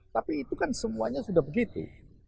tapi itu kan semuanya sudah begitu